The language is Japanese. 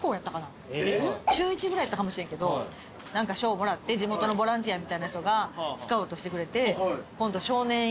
中１ぐらいやったかもしれんけど何か賞もらって地元のボランティアみたいな人がスカウトしてくれて。